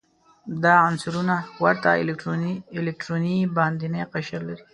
دا عنصرونه ورته الکتروني باندینی قشر لري.